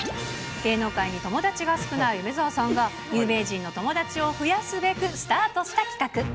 芸能界に友達が少ない梅澤さんが、有名人の友達を増やすべくスタートした企画。